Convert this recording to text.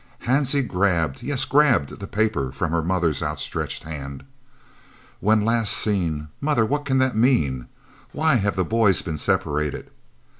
Hansie grabbed yes, grabbed the papers from her mother's outstretched hand. "'When last seen?' Mother, what can that mean? Why have the boys been separated?"